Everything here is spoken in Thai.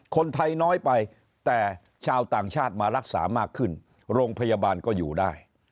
คนไทยน้อยไปแต่ชาวต่างชาติมารักษามากขึ้นโรงพยาบาลก็อยู่ได้